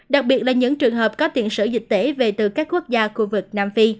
đặc biệt là những trường hợp có tiện sở dịch tễ về từ các quốc gia khu vực nam phi